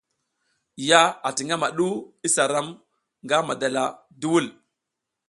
Ya ati ngama du isa ram nga madala duwul.